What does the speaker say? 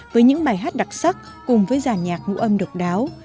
với những bài hát đặc sắc cùng với giàn nhạc ngũ âm độc đáo